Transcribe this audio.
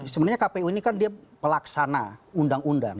sebenarnya kpu ini kan dia pelaksana undang undang